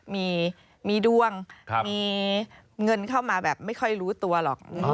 มีดวงมีเงินเข้ามาแบบไม่ค่อยรู้ตัวหรอก